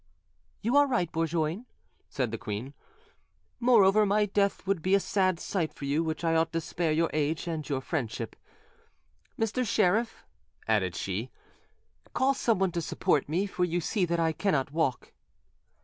"You are right, Bourgoin," said the queen; "moreover, my death would be a sad sight for you, which I ought to spare your age and your friendship. Mr. Sheriff," added she, "call someone to support me, for you see that I cannot walk."